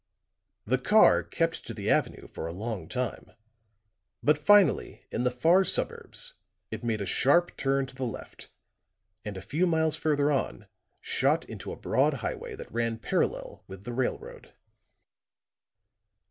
The car kept to the avenue for a long time; but finally in the far suburbs it made a sharp turn to the left and a few miles further on shot into a broad highway that ran parallel with the railroad.